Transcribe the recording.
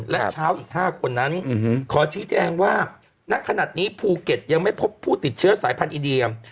และเช้าอีก๕คนนั้นขอชี้แจงว่าณขนาดนี้ภูเก็ตยังไม่พบผู้ติดเชื้อสายพันธีเดียม